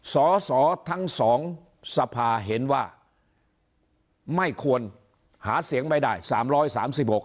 สอสอทั้งสองสภาเห็นว่าไม่ควรหาเสียงไม่ได้สามร้อยสามสิบหก